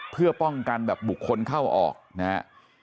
เพื่อป้องกันแบบบุคคลเข้าออกนะครับ